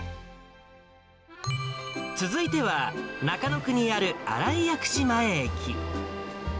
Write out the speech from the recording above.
続いては、中野区にある新井薬師前駅。